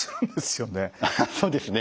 そうですね。